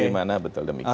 pakai mana betul demikian